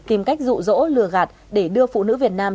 tìm cách dụ dỗ lừa gạt để đưa phụ nữ việt nam